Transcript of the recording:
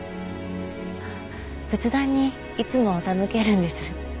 仏壇にいつも手向けるんです。